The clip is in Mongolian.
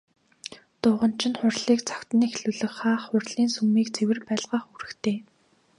Дуганч нь хурлыг цагт нь эхлүүлэх, хаах, хурлын сүмийг цэвэр байлгах үүрэгтэй.